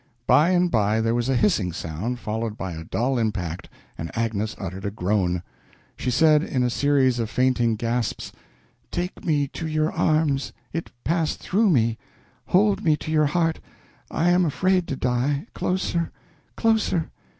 By and by there was a hissing sound, followed by a dull impact, and Agnes uttered a groan. She said, in a series of fainting gasps: "Take me to your arms it passed through me hold me to your heart I am afraid to die closer closer.